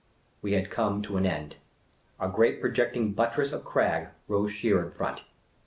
We had come to an end. A great projecting buttress of crag rose sheer in front.